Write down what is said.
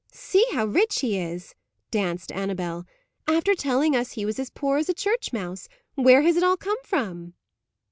"See how rich he is!" danced Annabel; "after telling us he was as poor as a church mouse! Where has it all come from?"